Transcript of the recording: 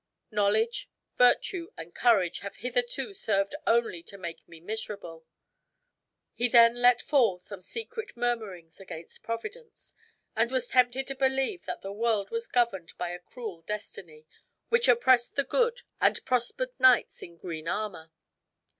Knowledge, virtue, and courage have hitherto served only to make me miserable." He then let fall some secret murmurings against Providence, and was tempted to believe that the world was governed by a cruel destiny, which oppressed the good and prospered knights in green armor.